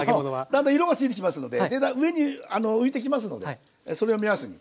だんだん色がついてきますので上に浮いてきますのでそれを目安に。